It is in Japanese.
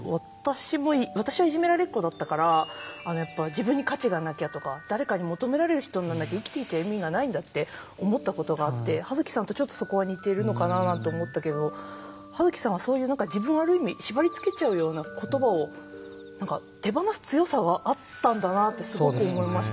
私はいじめられっ子だったから自分に価値がなきゃとか誰かに求められる人になんなきゃ生きていく意味がないんだって思ったことがあって葉月さんとちょっとそこは似てるのかななんて思ったけど葉月さんはそういう何か自分をある意味縛りつけちゃうような言葉を手放す強さはあったんだなってすごく思いましたね。